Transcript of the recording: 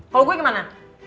kalau gue gimana